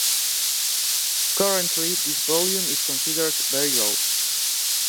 Currently, this volume is considered very low.